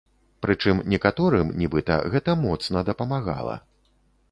Прычым некаторым, нібыта, гэта моцна дапамагала.